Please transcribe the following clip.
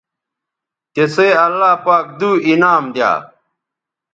تسئ اللہ پاک دو انعام دی یا